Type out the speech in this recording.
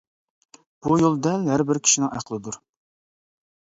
بۇ يول دەل ھەر بىر كىشىنىڭ ئەقلىدۇر.